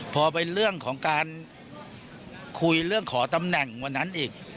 พอเป็นเรื่องของการคุยเรื่องขอตำแหน่งวันนั้นอีก